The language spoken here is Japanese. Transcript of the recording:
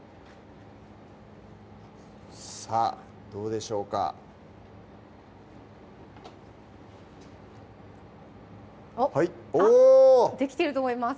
さぁどうでしょうかおおっできてると思います